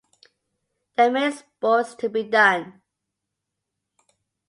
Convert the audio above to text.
There are many sports to be done.